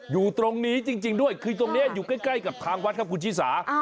อยู่ตรงนี้จริงด้วยคือตรงนี้อยู่ใกล้กับทางวัดครับคุณชิสา